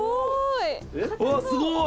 すごい。